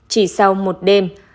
chỉ sau một đêm